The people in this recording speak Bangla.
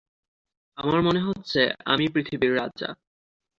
আমার মনে হচ্ছে আমিই পৃথিবীর রাজা।